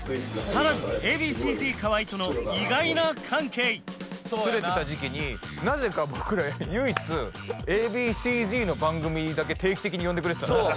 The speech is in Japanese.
さらにＡ．Ｂ．Ｃ−Ｚ河合との意外な関係スレてた時期になぜか僕ら唯一Ａ．Ｂ．Ｃ−Ｚの番組だけ定期的に呼んでくれてたんですよ